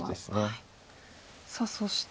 さあそして。